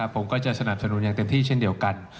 ผมก็จะสนับสนุนอย่างเต็มที่เช่นเดียวกัน